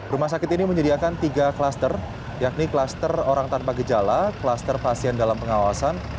rumah sakit ini menyediakan tiga kluster yakni kluster orang tanpa gejala kluster pasien dalam pengawasan